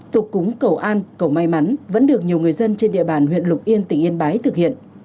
tục cúng cầu an cầu may mắn vẫn được nhiều người dân trên địa bàn huyện lục yên tỉnh yên bái thực hiện